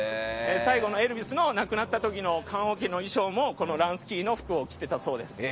最後のエルヴィスの亡くなった時の棺桶の衣装も、ランスキーの服を着ていたそうです。